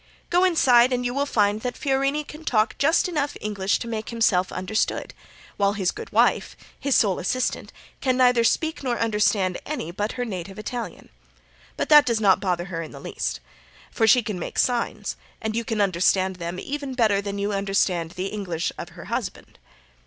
Go inside and you will find that Fiorini can talk just enough English to make himself understood, while his good wife, his sole assistant, can neither speak nor understand any but her native Italian. But that does not bother her in the least, for she can make signs, and you can understand them even better than you understand the English of her husband.